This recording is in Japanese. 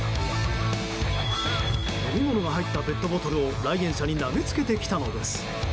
飲み物が入ったペットボトルを来園者に投げつけてきたのです。